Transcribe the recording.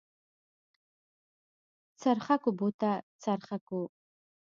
څرخکو بوته څرخکو.